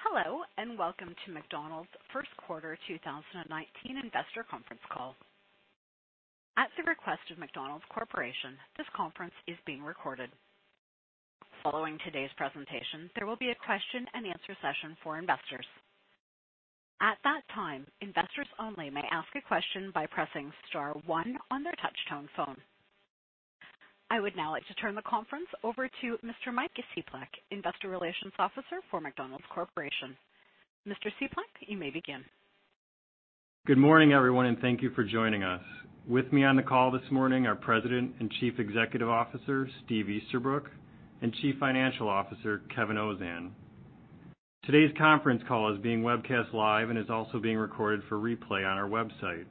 Hello, welcome to McDonald's first quarter 2019 investor conference call. At the request of McDonald's Corporation, this conference is being recorded. Following today's presentation, there will be a Q&A session for investors. At that time, investors only may ask a question by pressing star one on their touch-tone phone. I would now like to turn the conference over to Mr. Mike Cieplak, Investor Relations Officer for McDonald's Corporation. Mr. Cieplak, you may begin. Good morning, everyone, thank you for joining us. With me on the call this morning are President and Chief Executive Officer, Steve Easterbrook, and Chief Financial Officer, Kevin Ozan. Today's conference call is being webcast live and is also being recorded for replay on our website.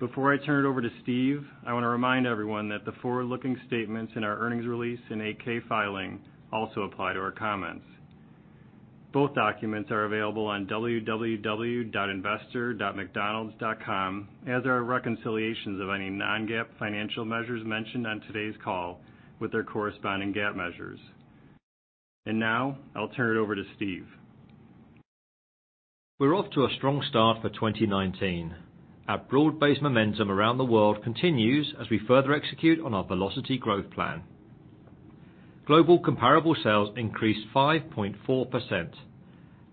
Before I turn it over to Steve, I want to remind everyone that the forward-looking statements in our earnings release and 8-K filing also apply to our comments. Both documents are available on www.investor.mcdonalds.com, as are reconciliations of any non-GAAP financial measures mentioned on today's call with their corresponding GAAP measures. Now, I'll turn it over to Steve. We're off to a strong start for 2019. Our broad-based momentum around the world continues as we further execute on our Velocity Growth Plan. Global comparable sales increased 5.4%.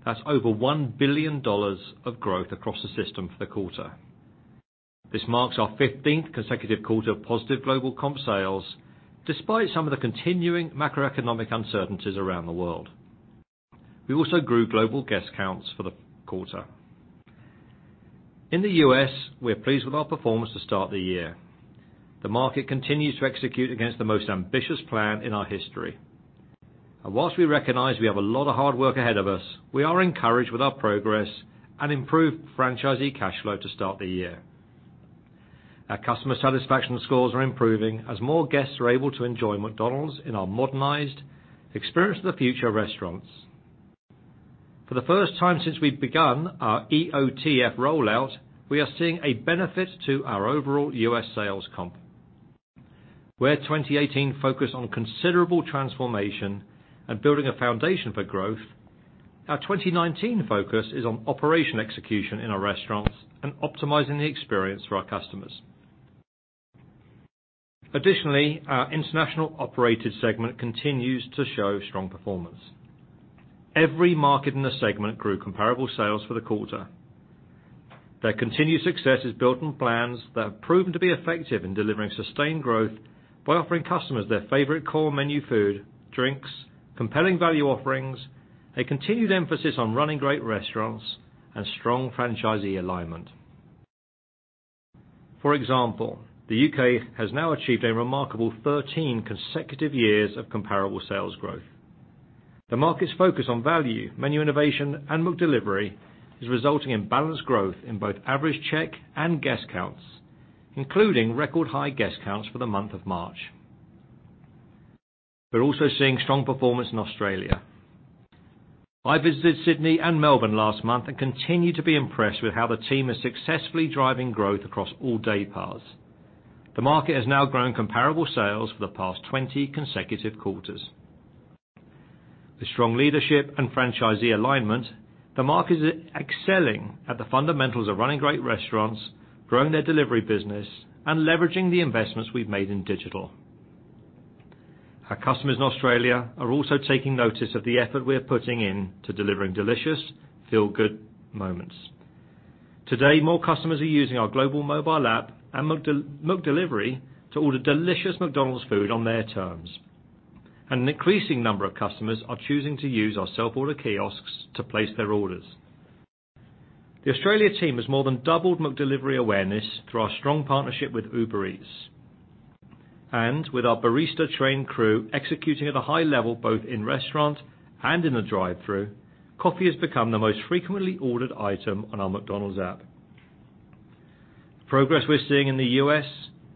That's over $1 billion of growth across the system for the quarter. This marks our 15th consecutive quarter of positive global comp sales, despite some of the continuing macroeconomic uncertainties around the world. We also grew global guest counts for the quarter. In the U.S., we're pleased with our performance to start the year. The market continues to execute against the most ambitious plan in our history. Whilst we recognize we have a lot of hard work ahead of us, we are encouraged with our progress and improved franchisee cash flow to start the year. Our customer satisfaction scores are improving as more guests are able to enjoy McDonald's in our modernized Experience of the Future restaurants. For the first time since we've begun our EOTF rollout, we are seeing a benefit to our overall U.S. sales comp. Where 2018 focused on considerable transformation and building a foundation for growth, our 2019 focus is on operation execution in our restaurants and optimizing the experience for our customers. Additionally, our international operated segment continues to show strong performance. Every market in the segment grew comparable sales for the quarter. Their continued success is built on plans that have proven to be effective in delivering sustained growth by offering customers their favorite core menu food, drinks, compelling value offerings, a continued emphasis on running great restaurants, and strong franchisee alignment. For example, the U.K. has now achieved a remarkable 13 consecutive years of comparable sales growth. The market's focus on value, menu innovation, and McDelivery is resulting in balanced growth in both average check and guest counts, including record high guest counts for the month of March. We're also seeing strong performance in Australia. I visited Sydney and Melbourne last month and continue to be impressed with how the team is successfully driving growth across all day parts. The market has now grown comparable sales for the past 20 consecutive quarters. With strong leadership and franchisee alignment, the market is excelling at the fundamentals of running great restaurants, growing their delivery business, and leveraging the investments we've made in digital. Our customers in Australia are also taking notice of the effort we're putting in to delivering delicious feel-good moments. Today, more customers are using our global mobile app and McDelivery to order delicious McDonald's food on their terms. An increasing number of customers are choosing to use our self-order kiosks to place their orders. The Australia team has more than doubled McDelivery awareness through our strong partnership with Uber Eats. With our barista-trained crew executing at a high level both in-restaurant and in the drive-thru, coffee has become the most frequently ordered item on our McDonald's app. Progress we're seeing in the U.S.,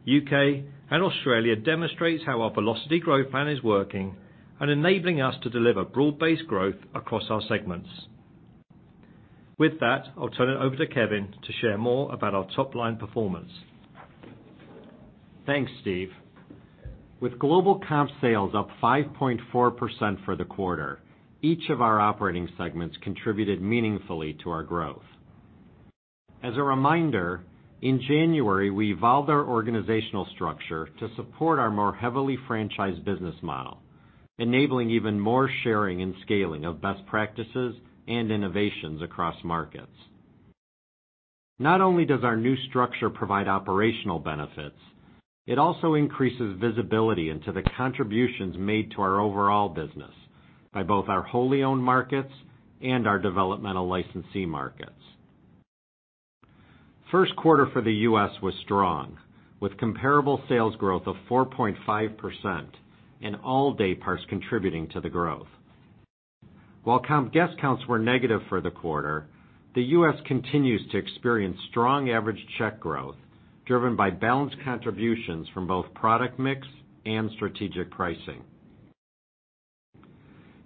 U.K., and Australia demonstrates how our Velocity Growth Plan is working and enabling us to deliver broad-based growth across our segments. With that, I'll turn it over to Kevin to share more about our top-line performance. Thanks, Steve. With global comp sales up 5.4% for the quarter, each of our operating segments contributed meaningfully to our growth. As a reminder, in January, we evolved our organizational structure to support our more heavily franchised business model, enabling even more sharing and scaling of best practices and innovations across markets. Not only does our new structure provide operational benefits, it also increases visibility into the contributions made to our overall business by both our wholly owned markets and our developmental licensee markets. First quarter for the U.S. was strong, with comparable sales growth of 4.5% and all day parts contributing to the growth. While comp guest counts were negative for the quarter, the U.S. continues to experience strong average check growth driven by balanced contributions from both product mix and strategic pricing.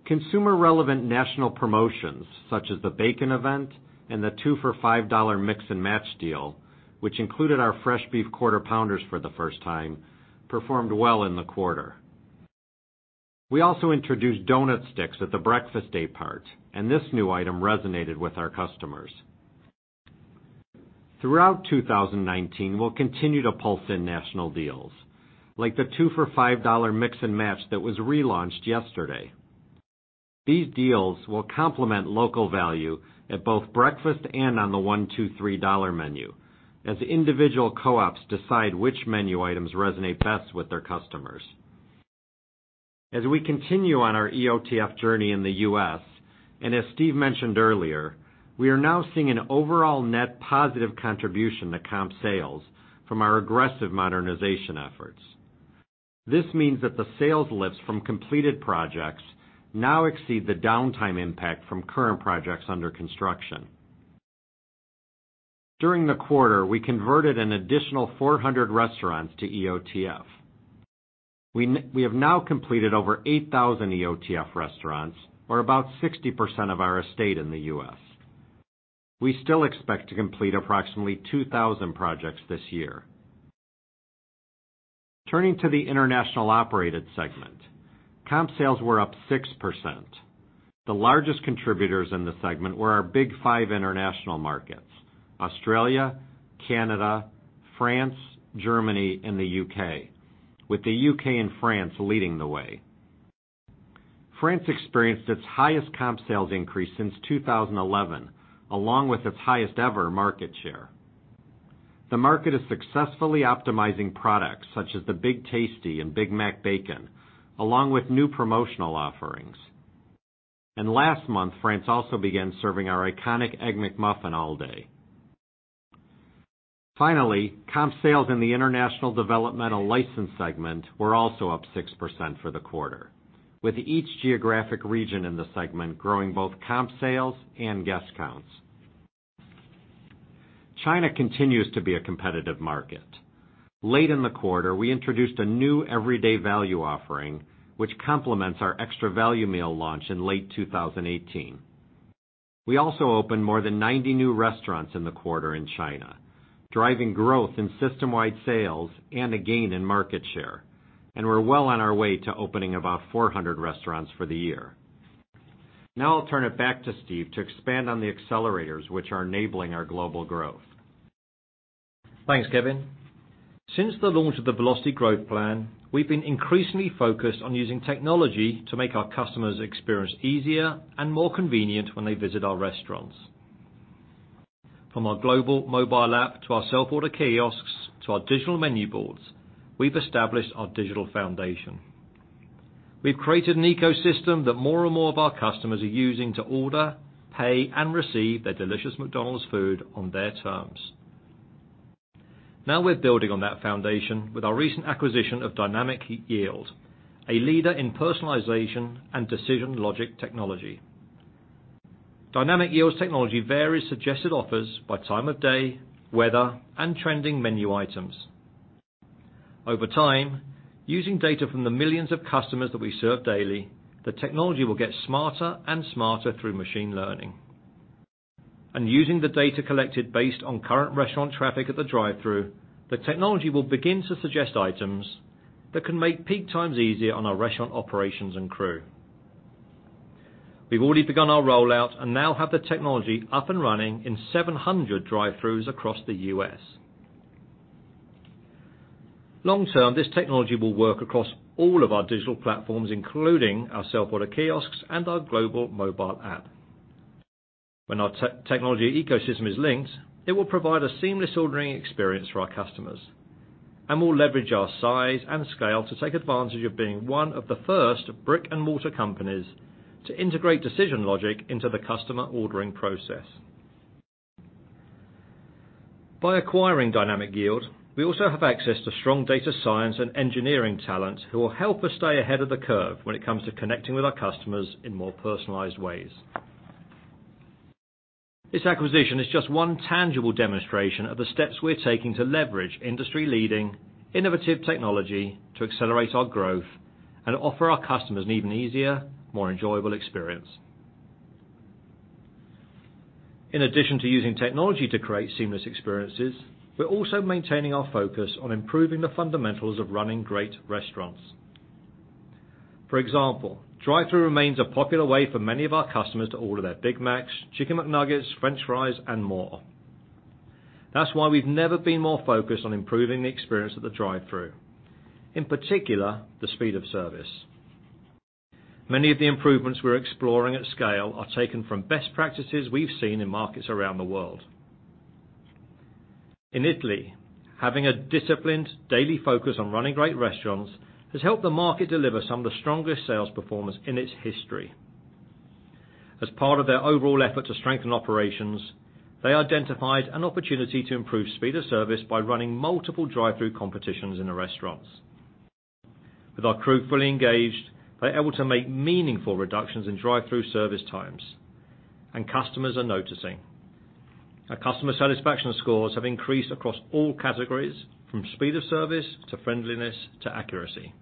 Consumer-relevant national promotions, such as the bacon event and the two for $5 mix and match deal, which included our fresh beef Quarter Pounder for the first time, performed well in the quarter. We also introduced Donut Sticks at the breakfast day part, and this new item resonated with our customers. Throughout 2019, we'll continue to pulse in national deals, like the two for $5 mix and match that was relaunched yesterday. These deals will complement local value at both breakfast and on the one, two, $3 menu as individual co-ops decide which menu items resonate best with their customers. As we continue on our EOTF journey in the U.S., and as Steve mentioned earlier, we are now seeing an overall net positive contribution to comp sales from our aggressive modernization efforts. This means that the sales lifts from completed projects now exceed the downtime impact from current projects under construction. During the quarter, we converted an additional 400 restaurants to EOTF. We have now completed over 8,000 EOTF restaurants or about 60% of our estate in the U.S. We still expect to complete approximately 2,000 projects this year. Turning to the international operated segment, comp sales were up 6%. The largest contributors in the segment were our big five international markets, Australia, Canada, France, Germany, and the U.K., with the U.K. and France leading the way. France experienced its highest comp sales increase since 2011, along with its highest ever market share. The market is successfully optimizing products such as the Big Tasty and Big Mac Bacon, along with new promotional offerings. Last month, France also began serving our iconic Egg McMuffin all day. Finally, comp sales in the international developmental license segment were also up 6% for the quarter, with each geographic region in the segment growing both comp sales and guest counts. China continues to be a competitive market. Late in the quarter, we introduced a new everyday value offering, which complements our extra value meal launch in late 2018. We also opened more than 90 new restaurants in the quarter in China, driving growth in system-wide sales and a gain in market share, we're well on our way to opening about 400 restaurants for the year. I'll turn it back to Steve to expand on the accelerators which are enabling our global growth. Thanks, Kevin. Since the launch of the Velocity Growth Plan, we've been increasingly focused on using technology to make our customers' experience easier and more convenient when they visit our restaurants. From our global mobile app to our self-order kiosks to our digital menu boards, we've established our digital foundation. We've created an ecosystem that more and more of our customers are using to order, pay, and receive their delicious McDonald's food on their terms. We're building on that foundation with our recent acquisition of Dynamic Yield, a leader in personalization and decision logic technology. Dynamic Yield's technology varies suggested offers by time of day, weather, and trending menu items. Over time, using data from the millions of customers that we serve daily, the technology will get smarter and smarter through machine learning. Using the data collected based on current restaurant traffic at the drive-thru, the technology will begin to suggest items that can make peak times easier on our restaurant operations and crew. We've already begun our rollout and now have the technology up and running in 700 drive-thrus across the U.S. Long term, this technology will work across all of our digital platforms, including our self-order kiosks and our global mobile app. When our technology ecosystem is linked, it will provide a seamless ordering experience for our customers and will leverage our size and scale to take advantage of being one of the first brick-and-mortar companies to integrate decision logic into the customer ordering process. By acquiring Dynamic Yield, we also have access to strong data science and engineering talent who will help us stay ahead of the curve when it comes to connecting with our customers in more personalized ways. This acquisition is just one tangible demonstration of the steps we're taking to leverage industry-leading, innovative technology to accelerate our growth and offer our customers an even easier, more enjoyable experience. In addition to using technology to create seamless experiences, we're also maintaining our focus on improving the fundamentals of running great restaurants. For example, drive-thru remains a popular way for many of our customers to order their Big Macs, Chicken McNuggets, french fries, and more. That's why we've never been more focused on improving the experience of the drive-thru, in particular, the speed of service. Many of the improvements we're exploring at scale are taken from best practices we've seen in markets around the world. In Italy, having a disciplined daily focus on running great restaurants has helped the market deliver some of the strongest sales performance in its history. As part of their overall effort to strengthen operations, they identified an opportunity to improve speed of service by running multiple drive-thru competitions in the restaurants. With our crew fully engaged, they're able to make meaningful reductions in drive-thru service times and customers are noticing. Our customer satisfaction scores have increased across all categories, from speed of service to friendliness to accuracy.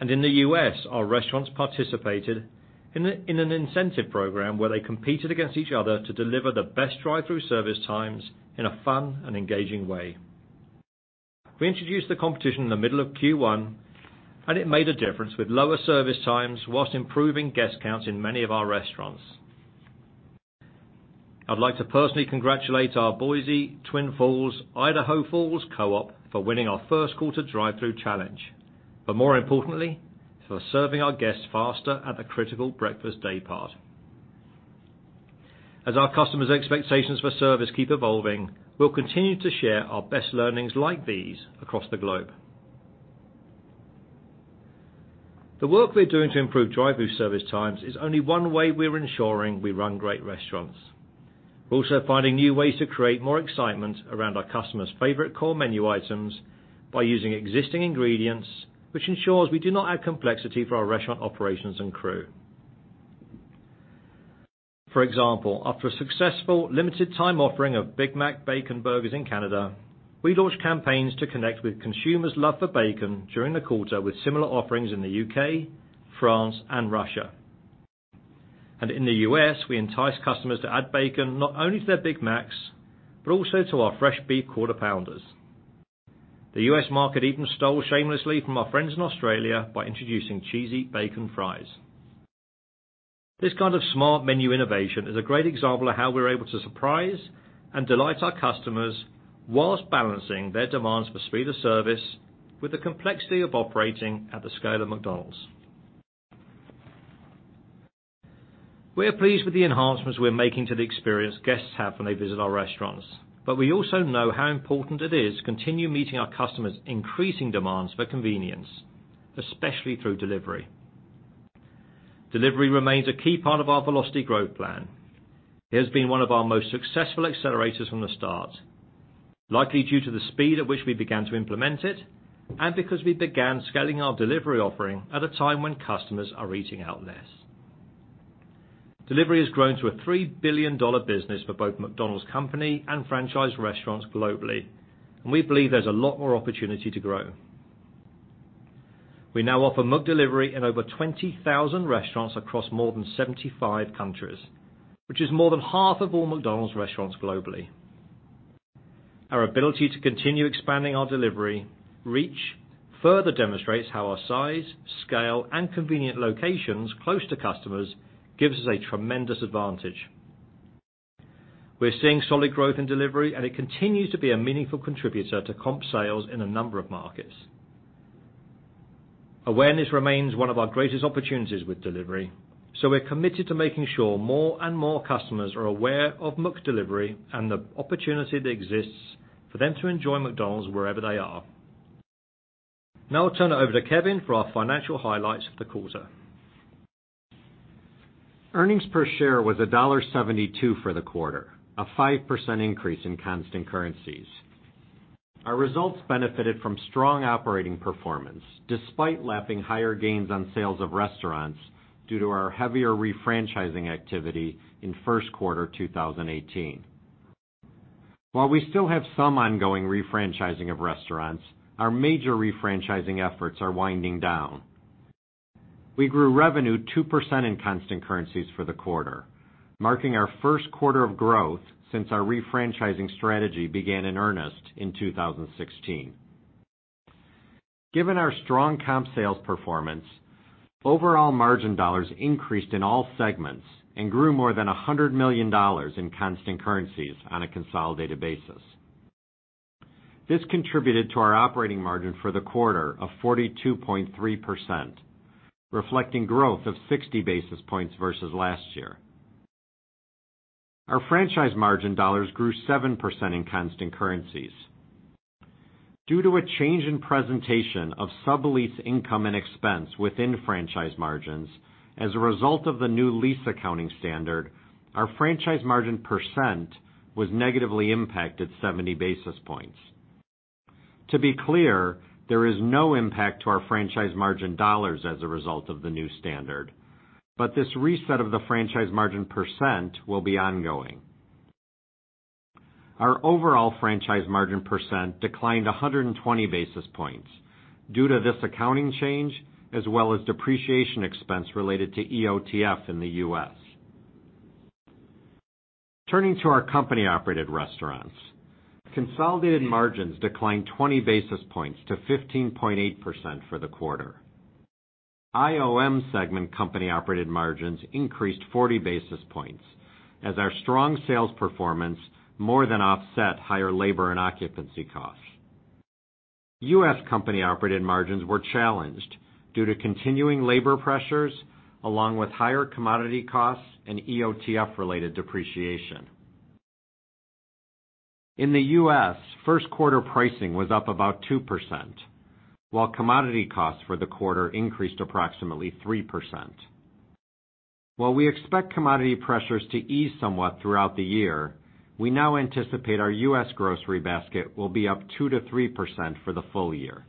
In the U.S., our restaurants participated in an incentive program where they competed against each other to deliver the best drive-thru service times in a fun and engaging way. We introduced the competition in the middle of Q1, it made a difference with lower service times whilst improving guest counts in many of our restaurants. I'd like to personally congratulate our Boise Twin Falls Idaho Falls Co-op for winning our first quarter drive-thru challenge, but more importantly, for serving our guests faster at the critical breakfast daypart. As our customers' expectations for service keep evolving, we'll continue to share our best learnings like these across the globe. The work we're doing to improve drive-thru service times is only one way we're ensuring we run great restaurants. We're also finding new ways to create more excitement around our customers' favorite core menu items by using existing ingredients, which ensures we do not add complexity for our restaurant operations and crew. For example, after a successful limited time offering of Big Mac Bacon Burgers in Canada, we launched campaigns to connect with consumers' love for bacon during the quarter with similar offerings in the U.K., France, and Russia. In the U.S., we enticed customers to add bacon, not only to their Big Macs, but also to our fresh beef Quarter Pounder. The U.S. market even stole shamelessly from our friends in Australia by introducing cheesy bacon fries. This kind of smart menu innovation is a great example of how we're able to surprise and delight our customers whilst balancing their demands for speed of service with the complexity of operating at the scale of McDonald's. We're pleased with the enhancements we're making to the experience guests have when they visit our restaurants. We also know how important it is to continue meeting our customers' increasing demands for convenience, especially through delivery. Delivery remains a key part of our Velocity Growth Plan. It has been one of our most successful accelerators from the start, likely due to the speed at which we began to implement it and because we began scaling our delivery offering at a time when customers are eating out less. Delivery has grown to a $3 billion business for both McDonald's company and franchise restaurants globally, and we believe there's a lot more opportunity to grow. We now offer McDelivery in over 20,000 restaurants across more than 75 countries, which is more than half of all McDonald's restaurants globally. Our ability to continue expanding our delivery reach further demonstrates how our size, scale, and convenient locations close to customers gives us a tremendous advantage. We're seeing solid growth in delivery, and it continues to be a meaningful contributor to comp sales in a number of markets. Awareness remains one of our greatest opportunities with delivery. We're committed to making sure more and more customers are aware of McDelivery and the opportunity that exists for them to enjoy McDonald's wherever they are. Now I'll turn it over to Kevin for our financial highlights for the quarter. Earnings per share was $1.72 for the quarter, a 5% increase in constant currencies. Our results benefited from strong operating performance despite lapping higher gains on sales of restaurants due to our heavier refranchising activity in first quarter 2018. While we still have some ongoing refranchising of restaurants, our major refranchising efforts are winding down. We grew revenue 2% in constant currencies for the quarter, marking our first quarter of growth since our refranchising strategy began in earnest in 2016. Given our strong comp sales performance, overall margin dollars increased in all segments and grew more than $100 million in constant currencies on a consolidated basis. This contributed to our operating margin for the quarter of 42.3%, reflecting growth of 60 basis points versus last year. Our franchise margin dollars grew 7% in constant currencies. Due to a change in presentation of sublease income and expense within franchise margins as a result of the new lease accounting standard, our franchise margin percent was negatively impacted 70 basis points. To be clear, there is no impact to our franchise margin dollars as a result of the new standard. This reset of the franchise margin percent will be ongoing. Our overall franchise margin percent declined 120 basis points due to this accounting change, as well as depreciation expense related to EOTF in the U.S. Turning to our company-operated restaurants, consolidated margins declined 20 basis points to 15.8% for the quarter. IOM segment company-operated margins increased 40 basis points as our strong sales performance more than offset higher labor and occupancy costs. U.S. company-operated margins were challenged due to continuing labor pressures along with higher commodity costs and EOTF-related depreciation. In the U.S., first quarter pricing was up about 2%, while commodity costs for the quarter increased approximately 3%. While we expect commodity pressures to ease somewhat throughout the year, we now anticipate our U.S. grocery basket will be up 2%-3% for the full year.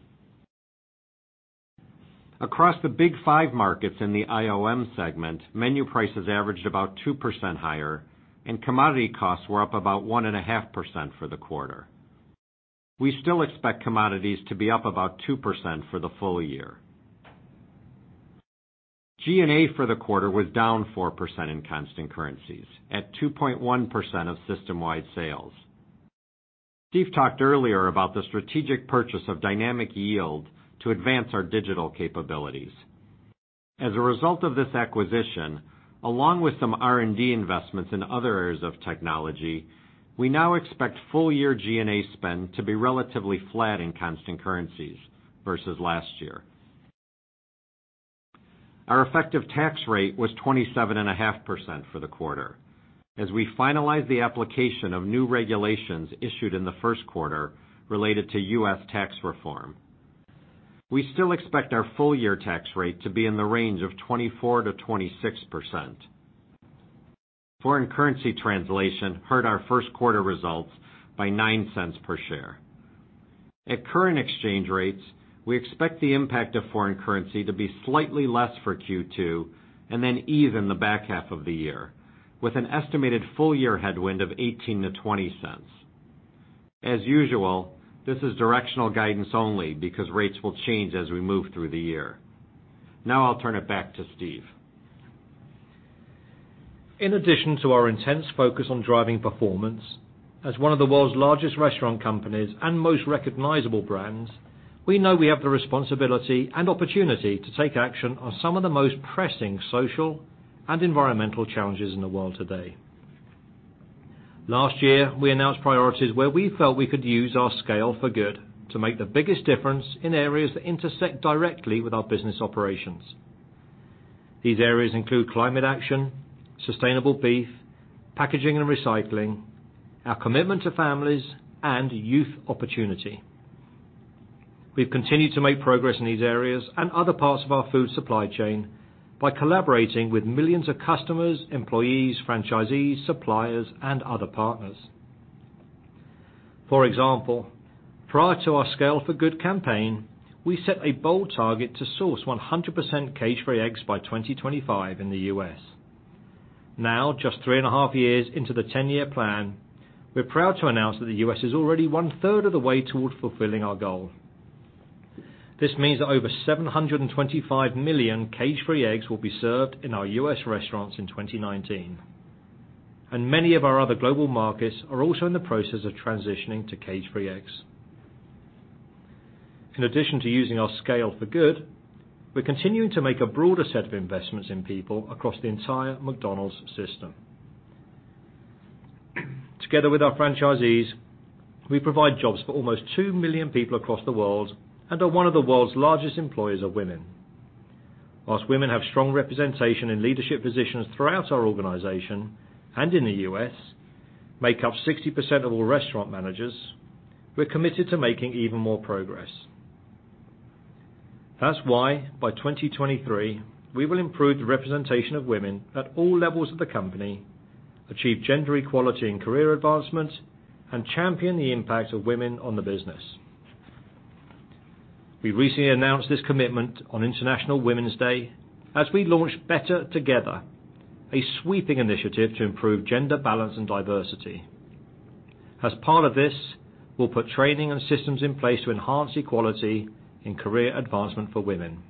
Across the big five markets in the IOM segment, menu prices averaged about 2% higher and commodity costs were up about 1.5% for the quarter. We still expect commodities to be up about 2% for the full year. G&A for the quarter was down 4% in constant currencies at 2.1% of system-wide sales. Steve talked earlier about the strategic purchase of Dynamic Yield to advance our digital capabilities. As a result of this acquisition, along with some R&D investments in other areas of technology, we now expect full year G&A spend to be relatively flat in constant currencies versus last year. Our effective tax rate was 27.5% for the quarter, as we finalized the application of new regulations issued in the first quarter related to U.S. tax reform. We still expect our full-year tax rate to be in the range of 24%-26%. Foreign currency translation hurt our first quarter results by $0.09 per share. At current exchange rates, we expect the impact of foreign currency to be slightly less for Q2 and then even the back half of the year, with an estimated full-year headwind of $0.18-$0.20. As usual, this is directional guidance only because rates will change as we move through the year. Now I'll turn it back to Steve. In addition to our intense focus on driving performance, as one of the world's largest restaurant companies and most recognizable brands, we know we have the responsibility and opportunity to take action on some of the most pressing social and environmental challenges in the world today. Last year, we announced priorities where we felt we could use our Scale for Good to make the biggest difference in areas that intersect directly with our business operations. These areas include climate action, sustainable beef, packaging and recycling, our commitment to families, and youth opportunity. We've continued to make progress in these areas and other parts of our food supply chain by collaborating with millions of customers, employees, franchisees, suppliers, and other partners. For example, prior to our Scale for Good campaign, we set a bold target to source 100% cage-free eggs by 2025 in the U.S. Now, just three and a half years into the 10-year plan, we're proud to announce that the U.S. is already one third of the way towards fulfilling our goal. This means that over 725 million cage-free eggs will be served in our U.S. restaurants in 2019. Many of our other global markets are also in the process of transitioning to cage-free eggs. In addition to using our Scale for Good, we're continuing to make a broader set of investments in people across the entire McDonald's system. Together with our franchisees, we provide jobs for almost 2 million people across the world and are one of the world's largest employers of women. Whilst women have strong representation in leadership positions throughout our organization and in the U.S., make up 60% of all restaurant managers, we're committed to making even more progress. That's why by 2023, we will improve the representation of women at all levels of the company, achieve gender equality and career advancement, and champion the impact of women on the business. We recently announced this commitment on International Women's Day as we launch BETTER TOGETHER, a sweeping initiative to improve gender balance and diversity. As part of this, we'll put training and systems in place to enhance equality in career advancement for women.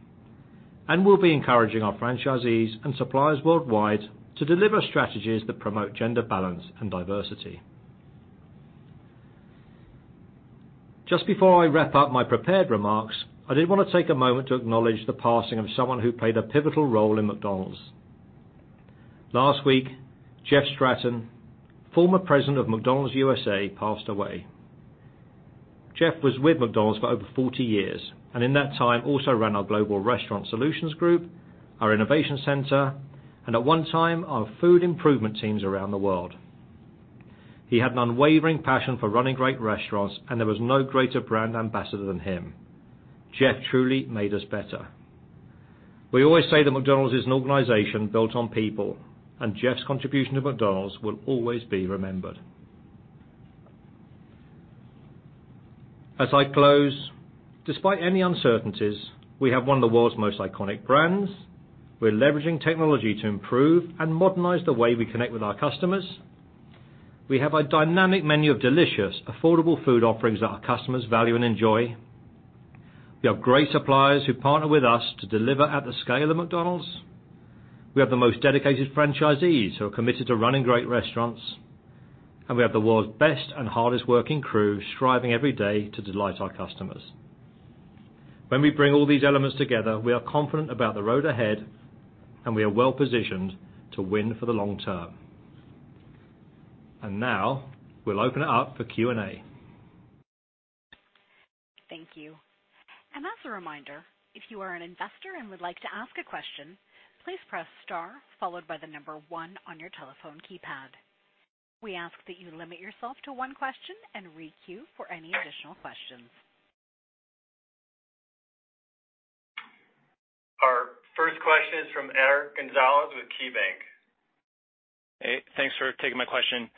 We will be encouraging our franchisees and suppliers worldwide to deliver strategies that promote gender balance and diversity. Just before I wrap up my prepared remarks, I did want to take a moment to acknowledge the passing of someone who played a pivotal role in McDonald's. Last week, Jeff Stratton, former President of McDonald's USA, passed away. Jeff was with McDonald's for over 40 years. In that time, also ran our Global Restaurant Solutions Group, our innovation center, and at one time, our food improvement teams around the world. He had an unwavering passion for running great restaurants. There was no greater brand ambassador than him. Jeff truly made us better. We always say that McDonald's is an organization built on people. Jeff's contribution to McDonald's will always be remembered. As I close, despite any uncertainties, we have one of the world's most iconic brands. We're leveraging technology to improve and modernize the way we connect with our customers. We have a dynamic menu of delicious, affordable food offerings that our customers value and enjoy. We have great suppliers who partner with us to deliver at the scale of McDonald's. We have the most dedicated franchisees who are committed to running great restaurants. We have the world's best and hardest working crew striving every day to delight our customers. When we bring all these elements together, we are confident about the road ahead. We are well-positioned to win for the long term. Now we'll open it up for Q&A. Thank you. As a reminder, if you are an investor and would like to ask a question, please press star followed by the number one on your telephone keypad. We ask that you limit yourself to one question and re-queue for any additional questions. Our first question is from Eric Gonzalez with KeyBanc. Hey, thanks for taking my question.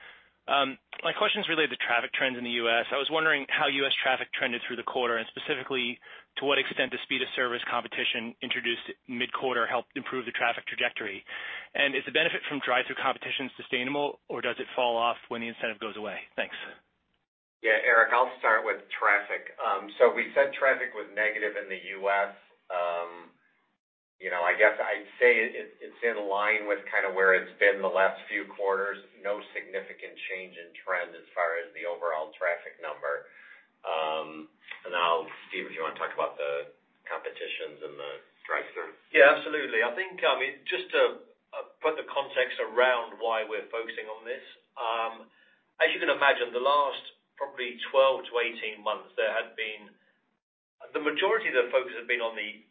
My question is related to traffic trends in the U.S. I was wondering how U.S. traffic trended through the quarter, and specifically, to what extent the speed of service competition introduced mid-quarter helped improve the traffic trajectory. Is the benefit from drive-thru competition sustainable, or does it fall off when the incentive goes away? Thanks. Yeah, Eric, I'll start with traffic. We said traffic was negative in the U.S. I guess I'd say it's in line with kind of where it's been the last few quarters, no significant change in trend as far as the overall traffic number. Now, Steve, if you want to talk about the competitions and the drive-through. Yeah, absolutely. I think, just to put the context around why we're focusing on this. As you can imagine, the last probably 12 months-18 months, the majority of the focus has been on the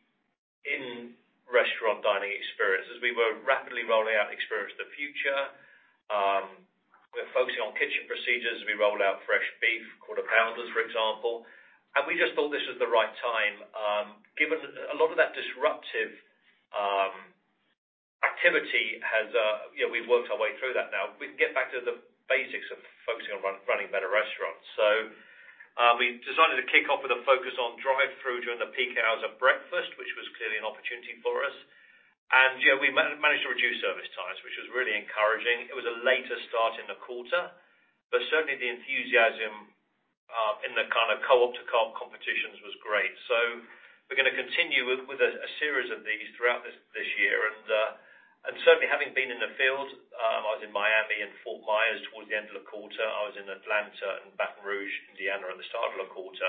in-restaurant dining experience as we were rapidly rolling out Experience of the Future. We're focusing on kitchen procedures. We rolled out fresh beef Quarter Pounder, for example. We just thought this was the right time. Given a lot of that disruptive activity, we've worked our way through that now. We can get back to the basics of focusing on running better restaurants. We decided to kick off with a focus on drive-through during the peak hours of breakfast, which was clearly an opportunity for us. We managed to reduce service times, which was really encouraging. It was a later start in the quarter, certainly the enthusiasm in the kind of co-op to comp competitions was great. We're going to continue with a series of these throughout this year. Certainly having been in the field, I was in Miami and Fort Myers towards the end of the quarter. I was in Atlanta and Baton Rouge, Indiana at the start of the quarter.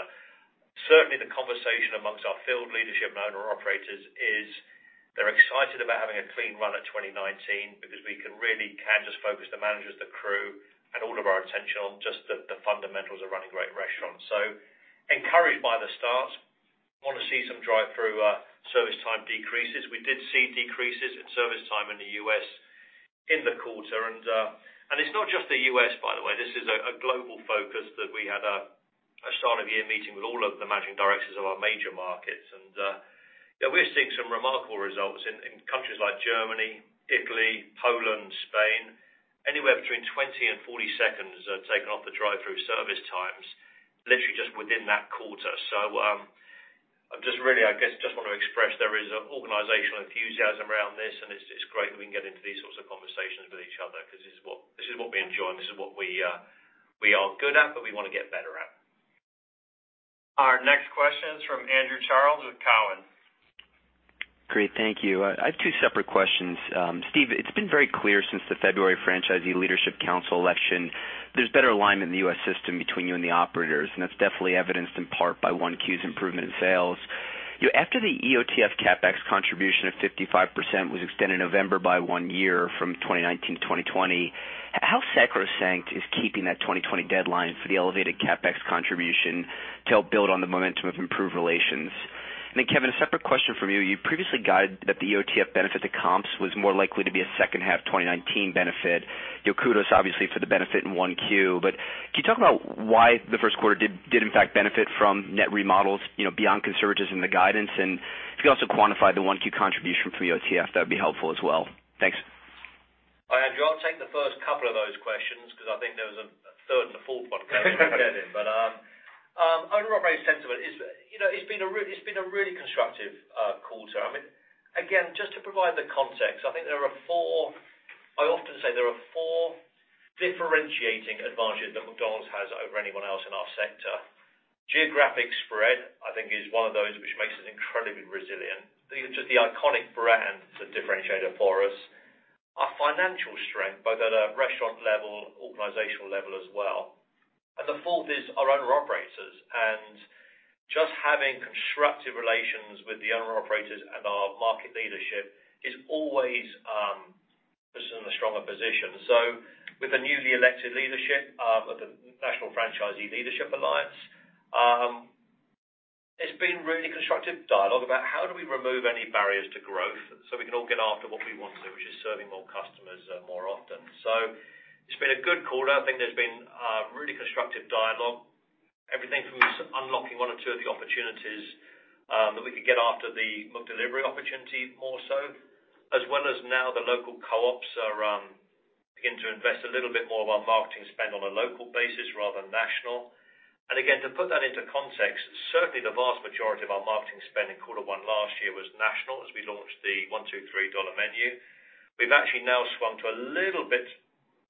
Certainly, the conversation amongst our field leadership and owner operators is they're excited about having a clean run at 2019 because we can really just focus the managers, the crew, and all of our attention on just the fundamentals of running great restaurants. Encouraged by the start. Want to see some drive-through service time decreases. We did see decreases in service time in the U.S. in the quarter. It's not just the U.S., by the way. This is a global focus that we had a start of year meeting with all of the managing directors of our major markets. Yeah, we're seeing some remarkable results in countries like Germany, Italy, Poland, Spain. Anywhere between 20 seconds and 40 seconds taken off the drive-through service times, literally just within that quarter. I just really, I guess, just want to express there is organizational enthusiasm around this. It's great that we can get into these sorts of conversations with each other because this is what we enjoy and this is what we are good at, we want to get better at. Our next question is from Andrew Charles with Cowen. Great. Thank you. I have two separate questions. Steve, it has been very clear since the February Franchisee Leadership Council election, there is better alignment in the U.S. system between you and the operators, and that is definitely evidenced in part by 1Q's improvement in sales. After the EOTF CapEx contribution of 55% was extended November by one year from 2019 to 2020, how sacrosanct is keeping that 2020 deadline for the elevated CapEx contribution to help build on the momentum of improved relations? Kevin, a separate question from you. You previously guided that the EOTF benefit to comps was more likely to be a second half 2019 benefit. Your kudos obviously for the benefit in 1Q. Can you talk about why the first quarter did in fact benefit from net remodels beyond conservatism the guidance? If you could also quantify the 1Q contribution from EOTF, that would be helpful as well. Thanks. Andrew, I will take the first couple of those questions because I think there was a third and a fourth coming in. I am very sensible. It has been a really constructive quarter. Again, just to provide the context, I often say there are four differentiating advantages that McDonald's has over anyone else in our sector. Geographic spread, I think, is one of those, which makes us incredibly resilient. Just the iconic brand is a differentiator for us. Our financial strength, both at a restaurant level, organizational level as well. The fourth is our owner operators. Just having constructive relations with the owner operators and our market leadership is always puts us in a stronger position. With the newly elected leadership of the National Franchisee Leadership Alliance, it has been really constructive dialogue about how do we remove any barriers to growth so we can all get after what we want to, which is serving more customers more often. It has been a good quarter. I think there has been a really constructive dialogue. Everything from unlocking one or two of the opportunities that we could get after the McDelivery opportunity more so, as well as now the local co-ops are beginning to invest a little bit more of our marketing spend on a local basis rather than national. Again, to put that into context, certainly the vast majority of our marketing spend in quarter one last year was national as we launched the $1, $2, $3 menu. We've actually now swung to a little bit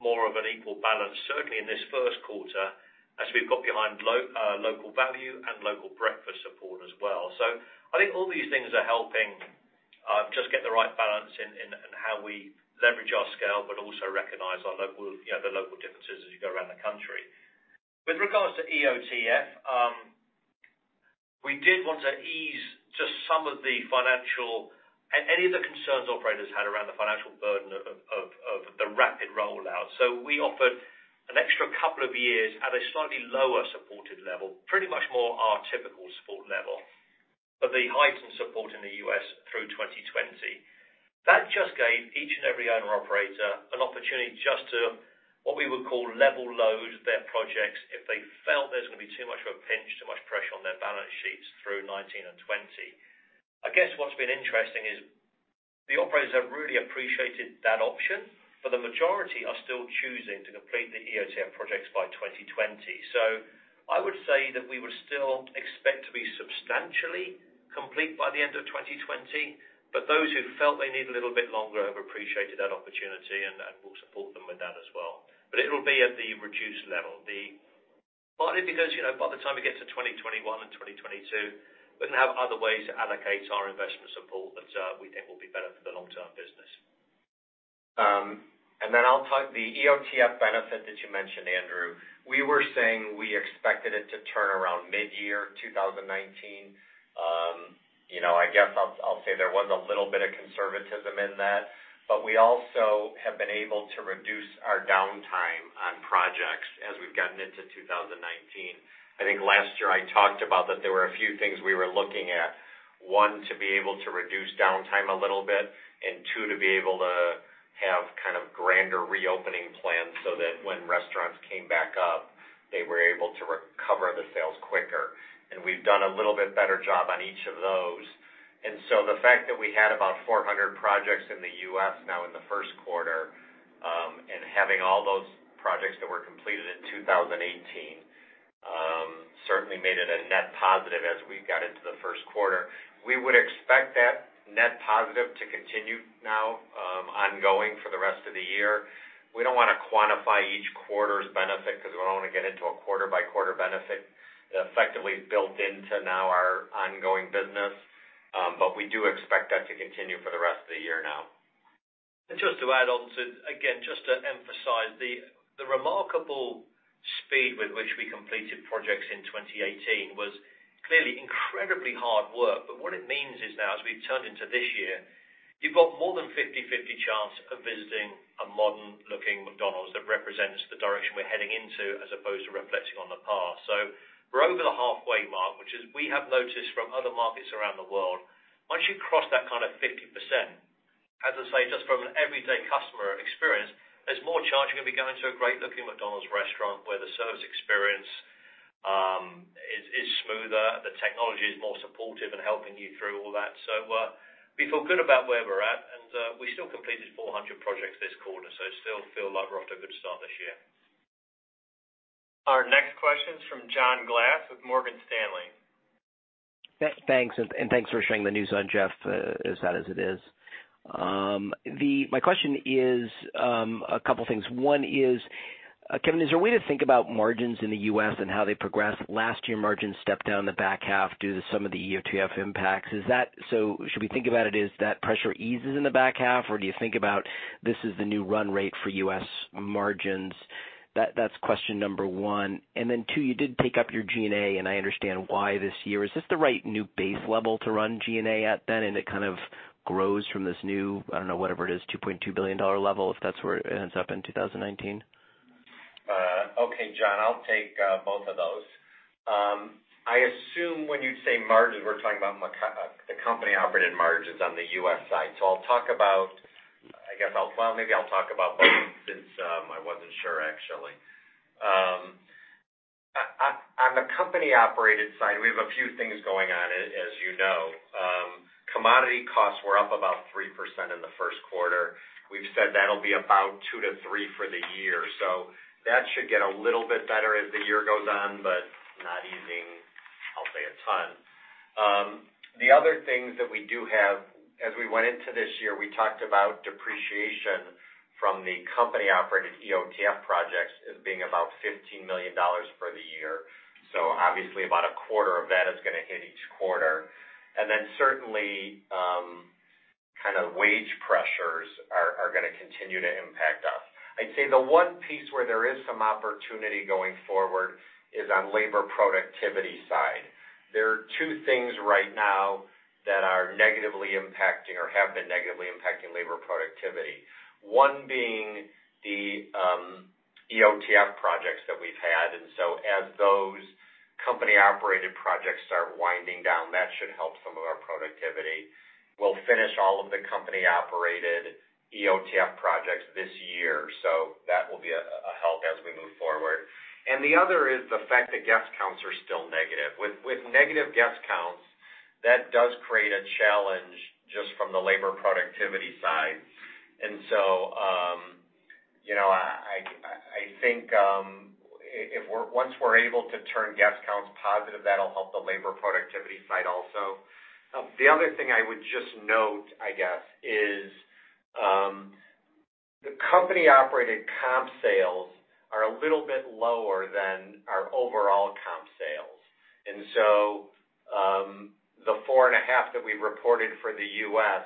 more of an equal balance, certainly in this first quarter, as we've got behind local value and local breakfast support as well. I think all these things are helping just get the right balance in how we leverage our scale, but also recognize the local differences as you go around the country. With regards to EOTF, we did want to ease just some of the financial, any of the concerns operators had around the financial burden of the rapid rollout. We offered an extra couple of years at a slightly lower supported level, pretty much more our typical support level, but the heightened support in the U.S. through 2020. That just gave each and every owner operator an opportunity just to, what we would call level load their projects if they felt there's going to be too much of a pinch, too much pressure on their balance sheets through 2019 and 2020. I guess what's been interesting is the operators have really appreciated that option, the majority are still choosing to complete the EOTF projects by 2020. I would say that we would still expect to be substantially complete by the end of 2020, but those who felt they need a little bit longer have appreciated that opportunity, and we'll support them with that as well. It'll be at the reduced level. Partly because, by the time we get to 2021 and 2022, we're going to have other ways to allocate our investment support that we think will be better for the long-term business. The EOTF benefit that you mentioned, Andrew, we were saying we expected it to turn around mid-year 2019. I guess I'll say there was a little bit of conservatism in that, but we also have been able to reduce our downtime on projects as we've gotten into 2019. I think last year I talked about that there were a few things we were looking at. One, to be able to reduce downtime a little bit, and two, to be able to have grander reopening plans so that when restaurants came back up, they were able to recover the sales quicker. We've done a little bit better job on each of those. The fact that we had about 400 projects in the U.S. now in the first quarter, and having all those projects that were completed in 2018, certainly made it a net positive as we got into the first quarter. We would expect that net positive to continue now, ongoing for the rest of the year. We don't want to quantify each quarter's benefit because we don't want to get into a quarter-by-quarter benefit effectively built into now our ongoing business. We do expect that to continue for the rest of the year now. Just to add on to, again, just to emphasize the remarkable speed with which we completed projects in 2018 was clearly incredibly hard work. What it means is now, as we've turned into this year, you've got more than 50/50 chance of visiting a modern-looking McDonald's that represents the direction we're heading into as opposed to reflecting on the past. We're over the halfway mark, which is, we have noticed from other markets around the world, once you cross that kind of 50%, as I say, just from an everyday customer experience, there's more chance you're going to be going to a great-looking McDonald's restaurant where the service experience is smoother, the technology is more supportive in helping you through all that. We feel good about where we're at. We still completed 400 projects this quarter, still feel like we're off to a good start this year. Our next question is from John Glass with Morgan Stanley. Thanks. Thanks for sharing the news on Jeff, sad as it is. My question is a couple things. One is, Kevin, is there a way to think about margins in the U.S. and how they progress? Last year, margins stepped down in the back half due to some of the EOTF impacts. Should we think about it as that pressure eases in the back half, or do you think about this is the new run rate for U.S. margins? That's question number one. Then two, you did take up your G&A, and I understand why this year. Is this the right new base level to run G&A at then, and it kind of grows from this new, I don't know, whatever it is, $2.2 billion level, if that's where it ends up in 2019? Okay, John, I'll take both of those. I assume when you say margins, we're talking about the company-operated margins on the U.S. side. Maybe I'll talk about both since I wasn't sure, actually. On the company-operated side, we have a few things going on, as you know. Commodity costs were up about 3% in the first quarter. We've said that'll be about 2%-3% for the year. That should get a little bit better as the year goes on, but not easing, I'll say, a ton. The other things that we do have, as we went into this year, we talked about depreciation from the company-operated EOTF projects as being about $15 million for the year. Obviously, about a quarter of that is going to hit each quarter. Certainly, wage pressures are going to continue to impact us. I'd say the one piece where there is some opportunity going forward is on labor productivity side. There are two things right now that are negatively impacting or have been negatively impacting labor productivity. One being the EOTF projects that we've had, as those company-operated projects start winding down, that should help some of our productivity. We'll finish all of the company-operated EOTF projects this year, that will be a help as we move forward. The other is the fact that guest counts are still negative. With negative guest counts, that does create a challenge just from the labor productivity side. I think once we're able to turn guest counts positive, that'll help the labor productivity side also. The other thing I would just note, I guess, is the company-operated comp sales are a little bit lower than our overall comp sales. The 4.5% that we reported for the U.S.,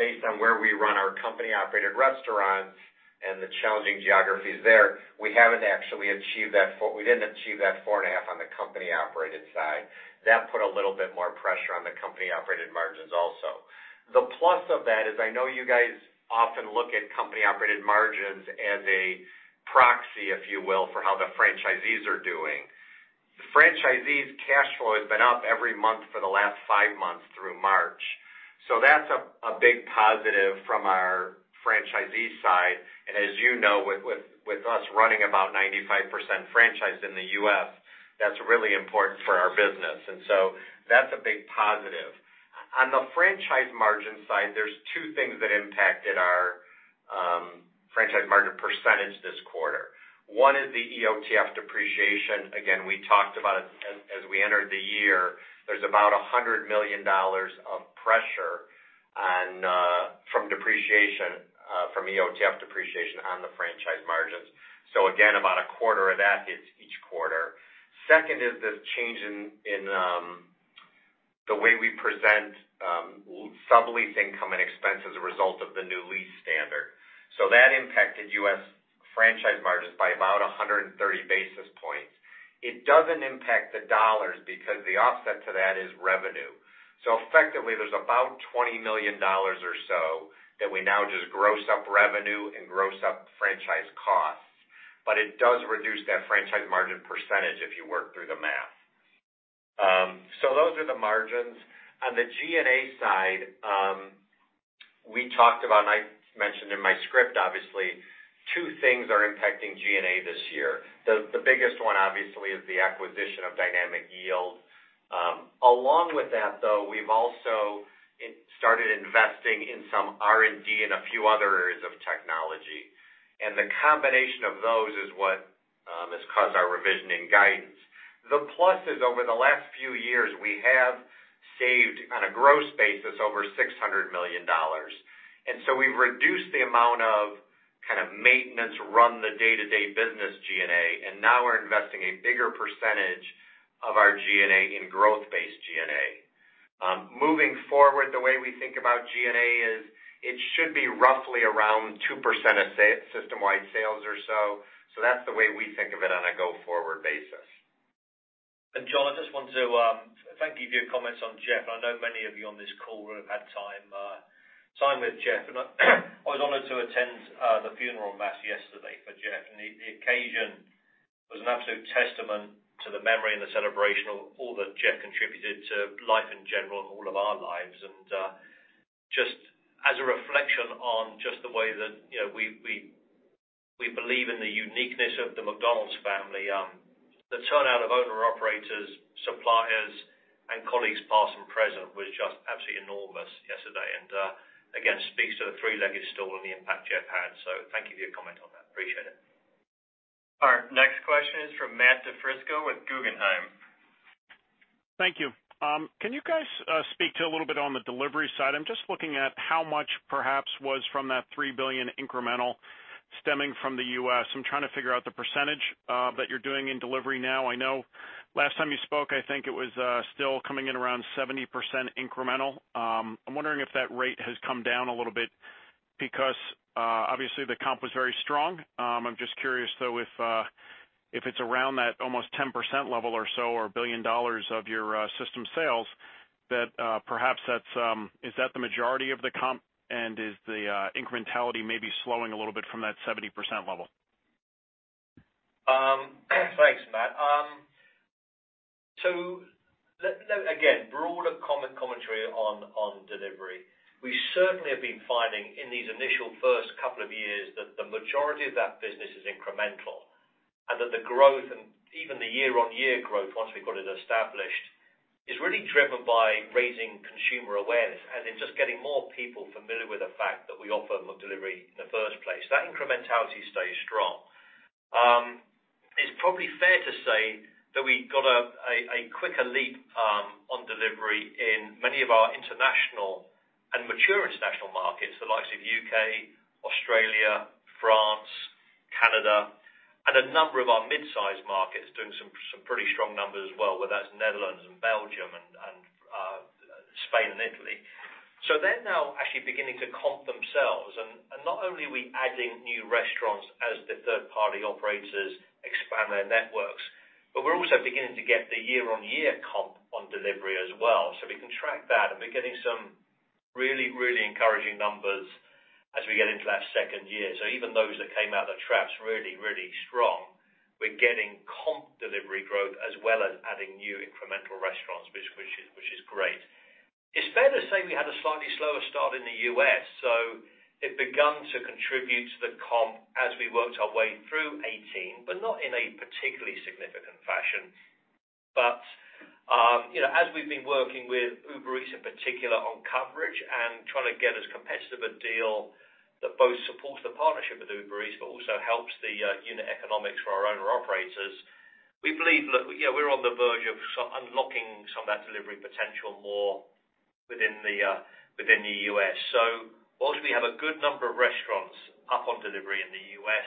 based on where we run our company-operated restaurants and the challenging geographies there, we didn't achieve that 4.5% on the company-operated side. That put a little bit more pressure on the company-operated margins also. The plus of that is I know you guys often look at company-operated margins as a proxy, if you will, for how the franchisees are doing. The franchisees' cash flow has been up every month for the last five months through March. That's a big positive from our franchisee side. As you know, with us running about 95% franchise in the U.S., that's really important for our business. That's a big positive. On the franchise margin side, there's two things that impacted our franchise margin percentage this quarter. One is the EOTF depreciation. Again, we talked about it as we entered the year. There's about $100 million of pressure from EOTF depreciation on the franchise margins. Again, about a quarter of that hits each quarter. Second is the change in the way we present sublease income and expense as a result of the new lease standard. That impacted U.S. franchise margins by about 130 basis points. It doesn't impact the dollars because the offset to that is revenue. Effectively, there's about $20 million or so that we now just gross up revenue and gross up franchise costs. It does reduce that franchise margin percentage if you work through the math. Those are the margins. On the G&A side, we talked about, I mentioned in my script obviously, two things are impacting G&A this year. The biggest one obviously is the acquisition of Dynamic Yield. Along with that, though, we've also started investing in some R&D in a few other areas of technology. The combination of those is what has caused our revision in guidance. The plus is over the last few years, we have saved on a gross basis over $600 million. We've reduced the amount of maintenance, run the day-to-day business G&A, and now we're investing a bigger percentage of our G&A in growth-based G&A. Moving forward, the way we think about G&A is it should be roughly around 2% of system-wide sales or so. That's the way we think of it on a go-forward basis. John, I just want to thank you for your comments on Jeff. I know many of you on this call would have had time with Jeff. I was honored to attend the funeral mass yesterday for Jeff, and the occasion was an absolute testament to the memory and the celebration of all that Jeff contributed to life in general and all of our lives. Just as a reflection on just the way that we believe in the uniqueness of the McDonald's family. The turnout of owner-operators, suppliers, and colleagues past and present was just absolutely enormous yesterday, and again, speaks to the three-legged stool and the impact Jeff had. Thank you for your comment on that. Appreciate it. Our next question is from Matt DiFrisco with Guggenheim. Thank you. Can you guys speak to a little bit on the delivery side? I'm just looking at how much perhaps was from that $3 billion incremental stemming from the U.S. I'm trying to figure out the percentage that you're doing in delivery now. I know last time you spoke, I think it was still coming in around 70% incremental. I'm wondering if that rate has come down a little bit because obviously the comp was very strong. I'm just curious, though, if it's around that almost 10% level or so or $1 billion of your system sales, that perhaps, is that the majority of the comp and is the incrementality maybe slowing a little bit from that 70% level? Thanks, Matt. Again, broader commentary on delivery. We certainly have been finding in these initial first couple of years that the majority of that business is incremental and that the growth and even the year-on-year growth, once we got it established, is really driven by raising consumer awareness and in just getting more people familiar with the fact that we offer McDelivery in the first place. That incrementality stays strong. It's probably fair to say that we got a quicker leap on delivery in many of our international and mature international markets, the likes of U.K., Australia, France, Canada, and a number of our mid-size markets doing some pretty strong numbers as well, whether that's Netherlands and Belgium and Spain and Italy. They're now actually beginning to comp themselves. Not only are we adding new restaurants as the third-party operators expand their networks, but we're also beginning to get the year-on-year comp on delivery as well. We can track that, and we're getting some really, really encouraging numbers as we get into that second year. Even those that came out the traps really, really strong, we're getting comp delivery growth as well as adding new incremental restaurants, which is great. It's fair to say we had a slightly slower start in the U.S. It began to contribute to the comp as we worked our way through 2018, but not in a particularly significant fashion. As we've been working with Uber Eats in particular on coverage and trying to get as competitive a deal that both supports the partnership with Uber Eats but also helps the unit economics for our owner-operators, we believe, look, yeah, we're on the verge of unlocking some of that delivery potential more within the U.S. While we have a good number of restaurants up on delivery in the U.S.,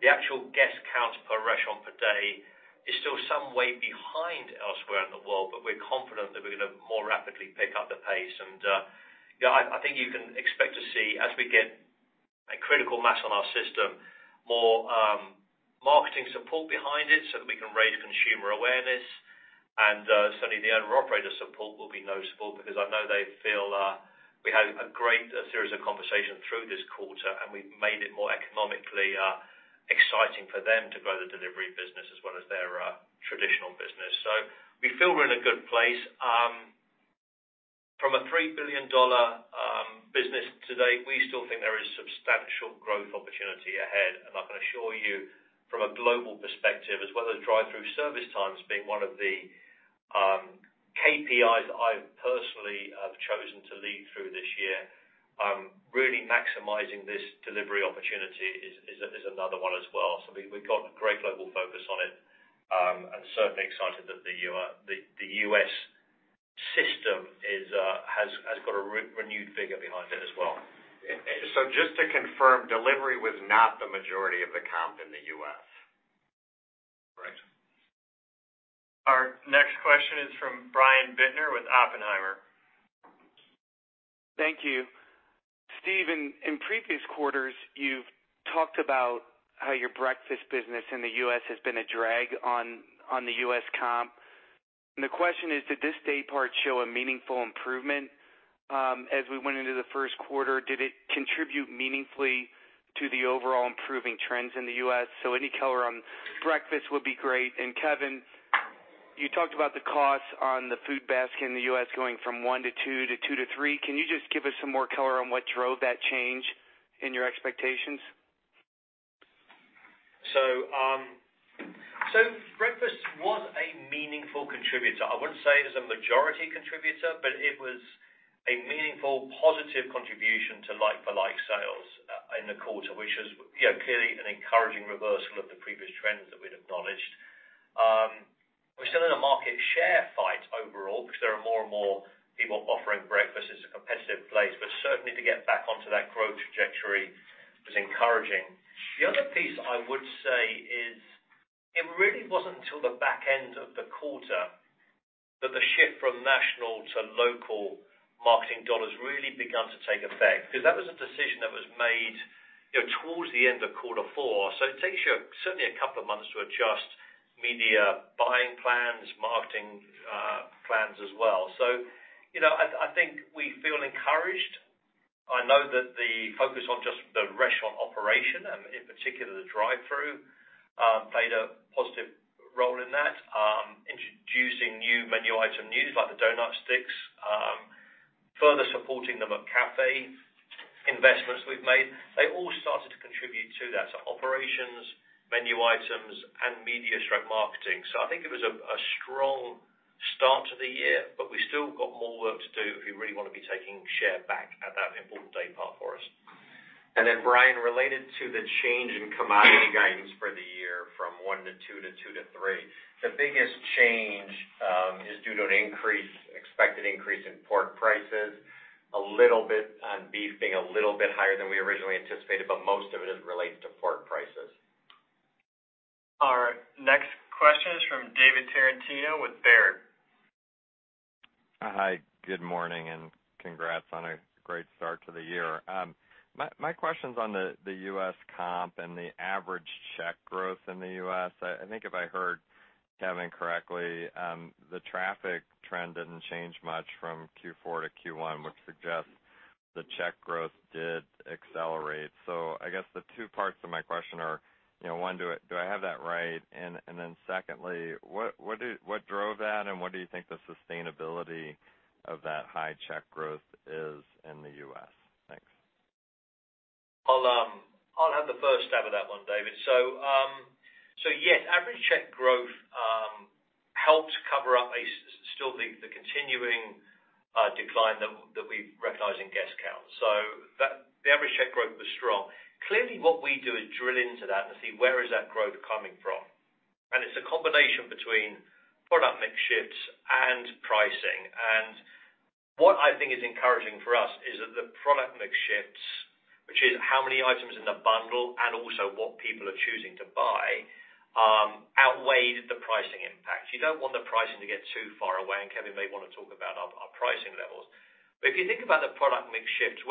the actual guest counts per restaurant per day is still some way behind elsewhere in the world. We're confident that we're going to more rapidly pick up the pace. Yeah, I think you can expect to see, as we get a critical mass on our system, more marketing support behind it so that we can raise consumer awareness. Certainly, the owner-operator support will be noticeable because I know they feel we had a great series of conversations through this quarter, and we made it more economically exciting for them to grow the delivery business as well as their traditional business. We feel we're in a good place. From a $3 billion business today, we still think there is substantial growth opportunity ahead. I can assure you from a global perspective, as well as drive-through service times being one of the KPIs that I personally have chosen to lead through this year really maximizing this delivery opportunity is another one as well. We've got great global focus on it and certainly excited that the U.S. has got a renewed vigor behind it as well. Just to confirm, delivery was not the majority of the comp in the U.S.? Correct. Our next question is from Brian Bittner with Oppenheimer. Thank you. Steve, in previous quarters, you've talked about how your breakfast business in the U.S. has been a drag on the U.S. comp. The question is, did this day part show a meaningful improvement as we went into the first quarter? Did it contribute meaningfully to the overall improving trends in the U.S.? Any color on breakfast would be great. Kevin, you talked about the costs on the food basket in the U.S. going from one to two to two to three. Can you just give us some more color on what drove that change in your expectations? Breakfast was a meaningful contributor. I wouldn't say it was a majority contributor, but it was a meaningful positive contribution to like-for-like sales in the quarter, which is clearly an encouraging reversal of the previous trends that we'd acknowledged. We're still in a market share fight overall because there are more and more people offering breakfast. It's a competitive place, but certainly to get back onto that growth trajectory was encouraging. The other piece I would say is, it really wasn't until the back end of the quarter that the shift from national to local marketing dollars really begun to take effect, because that was a decision that was made towards the end of quarter four. It takes you certainly a couple of months to adjust media buying plans, marketing plans as well. I think we feel encouraged. I know that the focus on just the restaurant operation, in particular the drive-thru, played a positive role in that. Introducing new menu item news like the Donut Sticks, further supporting the McCafé investments we've made. They all started to contribute to that. Operations, menu items, and media stroke marketing. I think it was a strong start to the year, but we've still got more work to do if we really want to be taking share back at that important day part for us. Brian, related to the change in commodity guidance for the year from one to two to two to three, the biggest change is due to an expected increase in pork prices, a little bit on beef being a little bit higher than we originally anticipated, but most of it is related to pork prices. Our next question is from David Tarantino with Baird. Hi, good morning, and congrats on a great start to the year. My question's on the U.S. comp and the average check growth in the U.S. I think if I heard Kevin correctly, the traffic trend didn't change much from Q4 to Q1, which suggests the check growth did accelerate. I guess the two parts of my question are, one, do I have that right? Secondly, what drove that and what do you think the sustainability of that high check growth is in the U.S.? Thanks. I'll have the first stab at that one, David. Yes, average check growth helped cover up still the continuing decline that we recognize in guest count. The average check growth was strong. Clearly what we do is drill into that and see where is that growth coming from. It's a combination between product mix shifts and pricing. What I think is encouraging for us is that the product mix shifts, which is how many items in the bundle and also what people are choosing to buy, outweighed the pricing impact. You don't want the pricing to get too far away, and Kevin may want to talk about our pricing levels. If you think about the product mix shifts,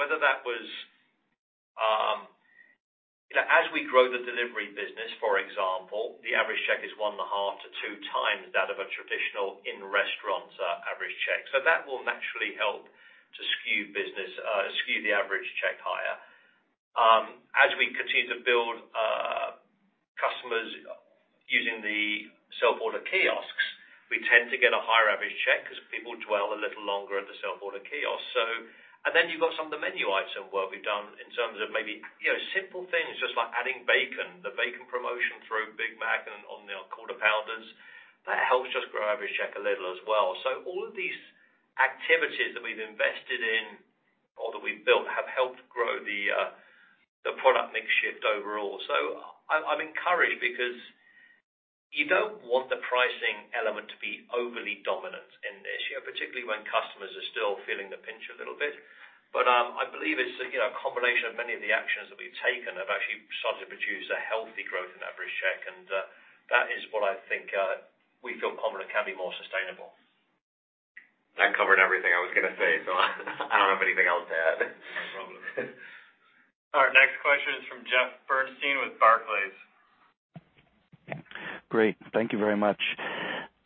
whether that was as we grow the delivery business, for example, the average check is one and a half to two times that of a traditional in-restaurant average check. That will naturally help to skew the average check higher. As we continue to build customers using the self-order kiosks, we tend to get a higher average check because people dwell a little longer at the self-order kiosk. Then you've got some of the menu item work we've done in terms of maybe simple things just like adding bacon, the bacon promotion through Big Mac and on the Quarter Pounder. That helps us grow average check a little as well. All of these activities that we've invested in or that we've built have helped grow the product mix shift overall. I'm encouraged because you don't want the pricing element to be overly dominant in this, particularly when customers are still feeling the pinch a little bit. I believe it's a combination of many of the actions that we've taken have actually started to produce a healthy growth in average check, and that is what I think we feel confident can be more sustainable. That covered everything I was going to say, I don't have anything else to add. No problem. Our next question is from Jeffrey Bernstein with Barclays. Great. Thank you very much.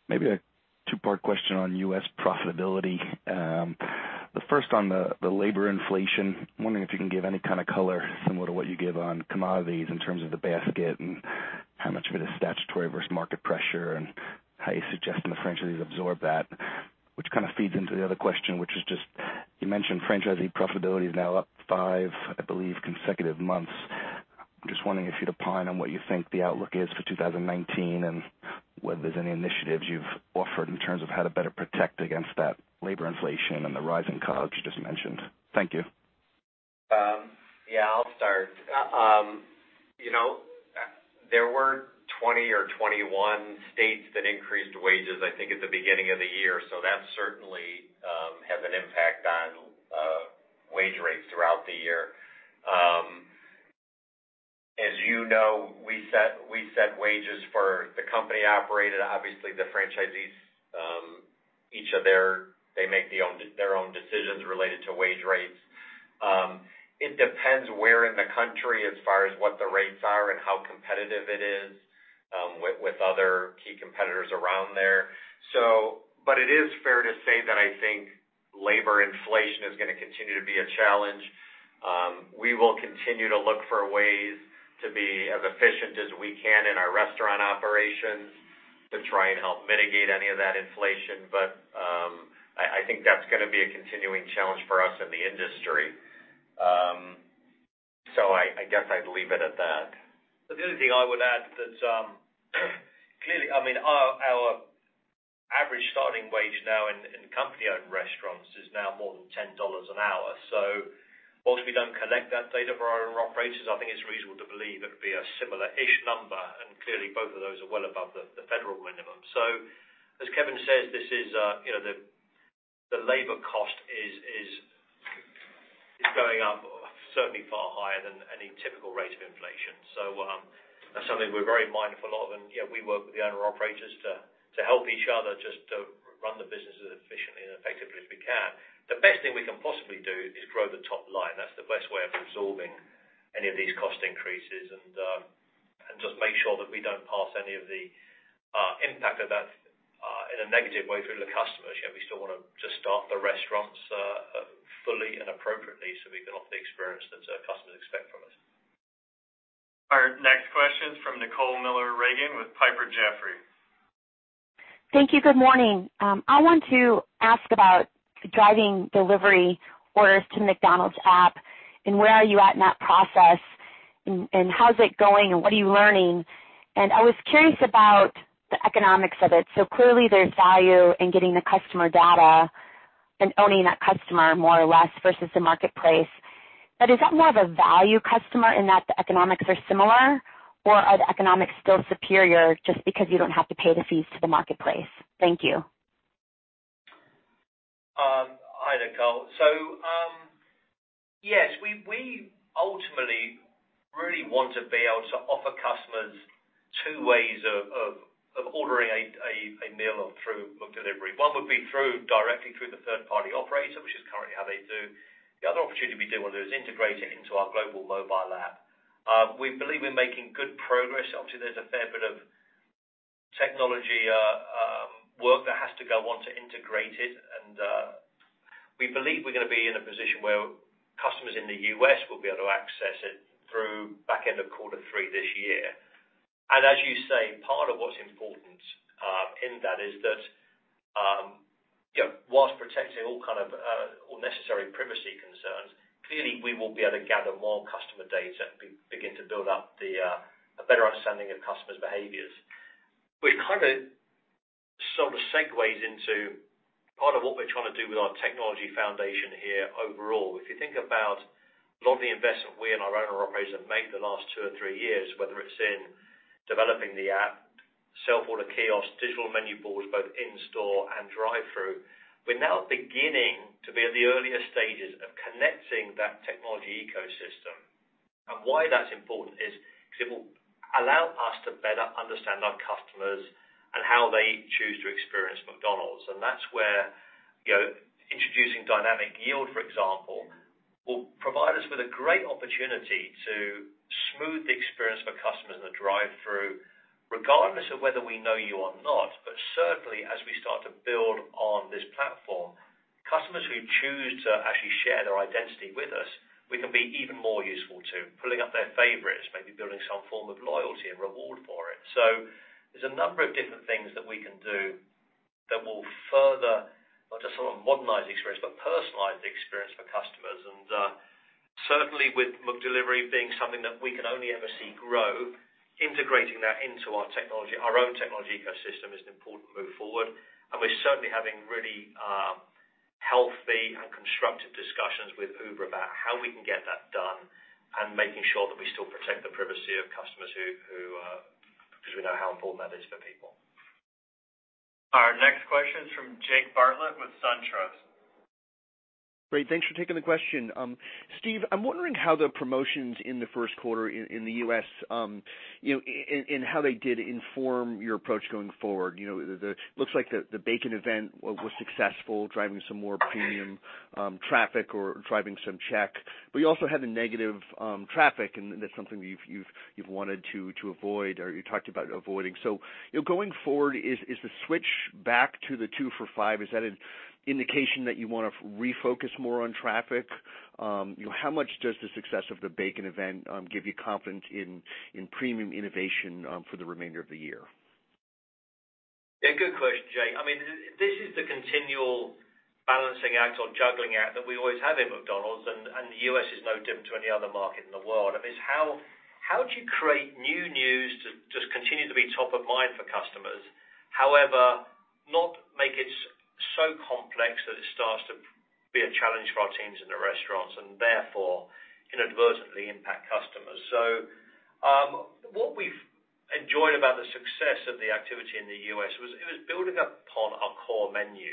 Maybe a two-part question on U.S. profitability. The first on the labor inflation. I'm wondering if you can give any kind of color similar to what you give on commodities in terms of the basket and how much of it is statutory versus market pressure, and how you suggest the franchisees absorb that, which kind of feeds into the other question, which is, you mentioned franchisee profitability is now up five, I believe, consecutive months. I'm just wondering if you'd opine on what you think the outlook is for 2019 and whether there's any initiatives you've offered in terms of how to better protect against that labor inflation and the rising costs you just mentioned. Thank you. Yeah, I'll start. There were 20 or 21 states that increased wages, I think, at the beginning of the year. That certainly has an impact on wage rates throughout the year. As you know, we set wages for the company operated. Obviously, the franchisees, they make their own decisions related to wage rates. It depends where in the country as far as what the rates are and how competitive it is with other key competitors around there. It is fair to say that I think labor inflation is going to continue to be a challenge. We will continue to look for ways to be as efficient as we can in our restaurant operations to try and help mitigate any of that inflation. I think that's going to be a continuing challenge for us in the industry. I guess I'd leave it at that. The only thing I would add that clearly, our average starting wage now in company-owned restaurants is now more than $10 an hour. While we don't collect that data for our owner operators, I think it's reasonable to believe it would be a similar-ish number, and clearly both of those are well above the federal minimum. As Kevin says, the labor cost is going up certainly far higher than any typical rate of inflation. That's something we're very mindful of. We work with the owner operators to help each other just to run the business as efficiently and effectively as we can. The best thing we can possibly do is grow the top line. That's the best way of absorbing any of these cost increases and just make sure that we don't pass any of the impact of that in a negative way through the customers. We still want to staff the restaurants fully and appropriately so we can offer the experience that customers expect from us. Our next question is from Nicole Miller Regan with Piper Jaffray. Thank you. Good morning. I want to ask about driving delivery orders to McDonald's app, where are you at in that process, how's it going, and what are you learning? I was curious about the economics of it. Clearly, there's value in getting the customer data and owning that customer more or less versus the marketplace. Is that more of a value customer in that the economics are similar, or are the economics still superior just because you don't have to pay the fees to the marketplace? Thank you. Hi there, Nicole. Yes, we ultimately really want to be able to offer customers two ways of ordering a meal through McDelivery. One would be directly through the third-party operator, which is currently how they do. The other opportunity we do want to do is integrate it into our global mobile app. We believe we're making good progress. Obviously, there's a fair bit of technology work that has to go on to integrate it, and we believe we're going to be in a position where customers in the U.S. will be able to access it through back end of quarter three this year. As you say, part of what's important in that is that whilst protecting all necessary privacy concerns, clearly we will be able to gather more customer data, begin to build up a better understanding of customers' behaviors, which kind of segues into part of what we're trying to do with our technology foundation here overall. If you think about a lot of the investment we and our owner operators have made the last two or three years, whether it's in developing the app, self-order kiosks, digital menu boards, both in-store and drive-through. We're now beginning to be at the earlier stages of connecting that technology ecosystem. Why that's important is because it will allow us to better understand our customers and how they choose to experience McDonald's. That's where introducing Dynamic Yield, for example, will provide us with a great opportunity to smooth the experience for customers in the drive-through, regardless of whether we know you or not. Certainly, as we start to build on this platform, customers who choose to actually share their identity with us, we can be even more useful to pulling up their favorites, maybe building some form of loyalty and reward for it. There's a number of different things that we can do that will further not just modernize the experience, but personalize the experience for customers. Certainly with McDelivery being something that we can only ever see grow, integrating that into our own technology ecosystem is an important move forward. We're certainly having really healthy and constructive discussions with Uber about how we can get that done and making sure that we still protect the privacy of customers because we know how important that is for people. Our next question is from Jake Bartlett with SunTrust. Great. Thanks for taking the question. Steve, I'm wondering how the promotions in the first quarter in the U.S., and how they did inform your approach going forward. Looks like the bacon event was successful, driving some more premium traffic or driving some check. You also had the negative traffic, and that's something that you've wanted to avoid or you talked about avoiding. Going forward, is the switch back to the two for five, is that an indication that you want to refocus more on traffic? How much does the success of the bacon event give you confidence in premium innovation for the remainder of the year? Yeah, good question, Jake. This is the continual balancing act or juggling act that we always have in McDonald's, and the U.S. is no different to any other market in the world. It's how do you create new news to just continue to be top of mind for customers? However, not make it so complex that it starts to be a challenge for our teams in the restaurants, and therefore inadvertently impact customers. What we've enjoyed about the success of the activity in the U.S. was it was building upon our core menu.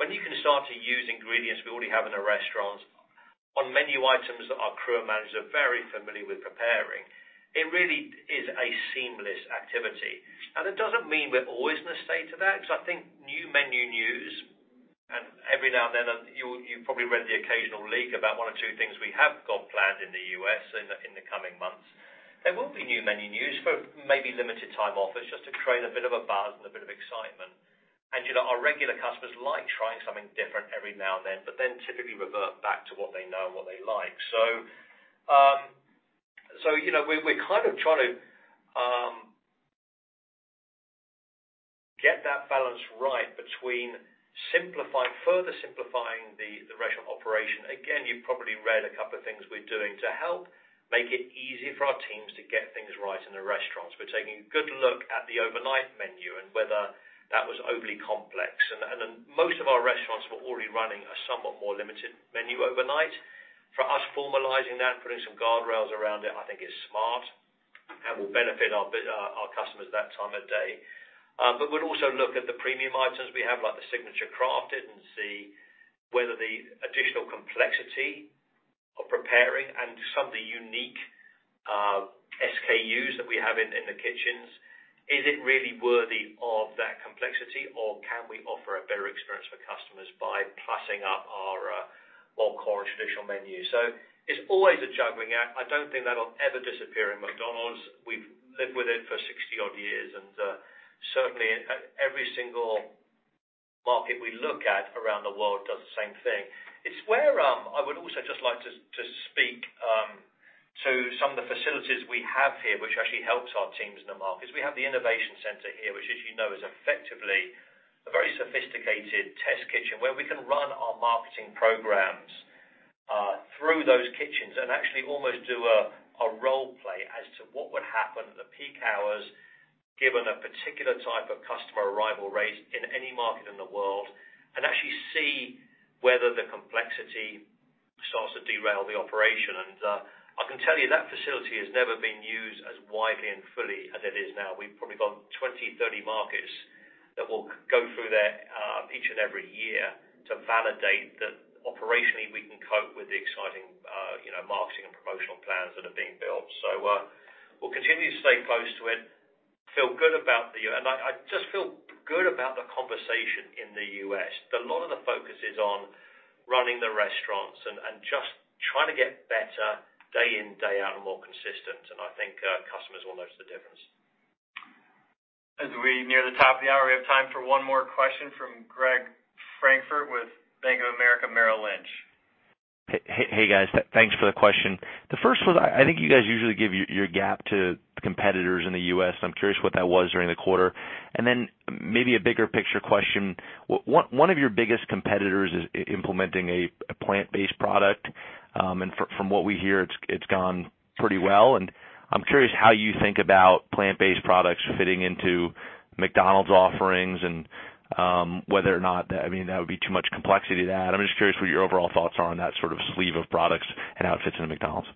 When you can start to use ingredients we already have in the restaurants on menu items that our crew and managers are very familiar with preparing, it really is a seamless activity. It doesn't mean we're always going to stay to that, because I think new menu news, and every now and then, you probably read the occasional leak about one or two things we have got planned in the U.S. in the coming months. There will be new menu news for maybe limited time offers just to create a bit of a buzz and a bit of excitement. Our regular customers like trying something different every now and then, but then typically revert back to what they know and what they like. We're trying to get that balance right between further simplifying the restaurant operation. Again, you've probably read a couple of things we're doing to help make it easier for our teams to get things right in the restaurants. We're taking a good look at the overnight menu and whether that was overly complex. Most of our restaurants were already running a somewhat more limited menu overnight. For us formalizing that and putting some guardrails around it, I think is smart and will benefit our customers that time of day. We'll also look at the premium items we have, like the Signature Crafted, and see whether the additional complexity of preparing and some of the unique SKUs that we have in the kitchens, is it really worthy of that complexity, or can we offer a better experience for customers by plussing up our more core and traditional menu? It's always a juggling act. I don't think that'll ever disappear in McDonald's. We've lived with it for 60-odd years, and certainly every single market we look at around the world does the same thing. It's where I would also just like to speak to some of the facilities we have here, which actually helps our teams in the market, is we have the innovation center here, which, as you know, is effectively a very sophisticated test kitchen where we can run our marketing programs through those kitchens and actually almost do a role play as to what would happen at the peak hours, given a particular type of customer arrival rate in any market in the world, and actually see whether the complexity starts to derail the operation. I can tell you that facility has never been used as widely and fully as it is now. We've probably got 20, 30 markets that will go through there each and every year to validate that operationally, we can cope with the exciting marketing and promotional plans that are being built. We'll continue to stay close to it. I just feel good about the conversation in the U.S. A lot of the focus is on running the restaurants and just trying to get better day in, day out, and more consistent, and I think customers will notice the difference. As we near the top of the hour, we have time for one more question from Greg Francfort with Bank of America Merrill Lynch. Hey, guys. Thanks for the question. The first was, I think you guys usually give your gap to competitors in the U.S. I'm curious what that was during the quarter. Maybe a bigger picture question. One of your biggest competitors is implementing a plant-based product. From what we hear, it's gone pretty well, and I'm curious how you think about plant-based products fitting into McDonald's offerings and whether or not that would be too much complexity to add. I'm just curious what your overall thoughts are on that sleeve of products and how it fits into McDonald's.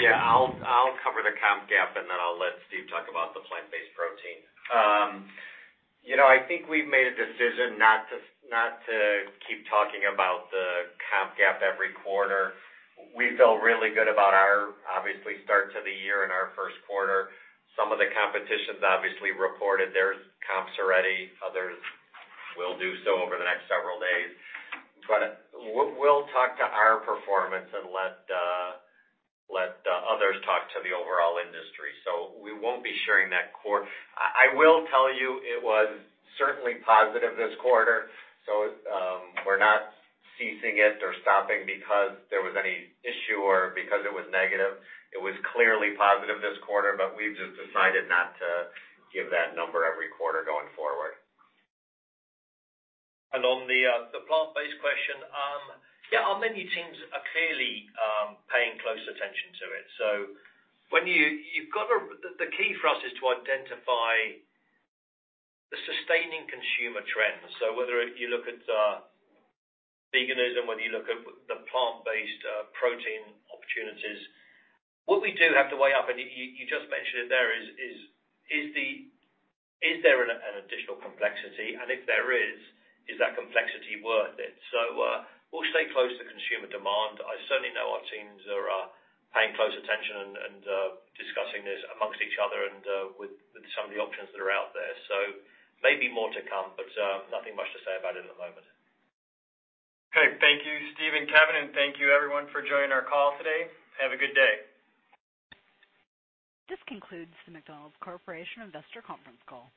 Yeah, I'll cover the comp gap, and then I'll let Steve talk about the plant-based protein. I think we've made a decision not to keep talking about the comp gap every quarter. We feel really good about our, obviously, start to the year in our first quarter. Some of the competition's obviously reported their comps already. Others will do so over the next several days. We'll talk to our performance and let the others talk to the overall industry. We won't be sharing that quarter. I will tell you it was certainly positive this quarter, so we're not ceasing it or stopping because there was any issue or because it was negative. It was clearly positive this quarter, we've just decided not to give that number every quarter going forward. On the plant-based question, yeah, our menu teams are clearly paying close attention to it. The key for us is to identify the sustaining consumer trends. Whether you look at veganism, whether you look at the plant-based protein opportunities, what we do have to weigh up, and you just mentioned it there is there an additional complexity? If there is that complexity worth it? We'll stay close to consumer demand. I certainly know our teams are paying close attention and discussing this amongst each other and with some of the options that are out there. Maybe more to come, nothing much to say about it at the moment. Okay. Thank you, Steve and Kevin, thank you, everyone, for joining our call today. Have a good day. This concludes the McDonald's Corporation Investor Conference Call.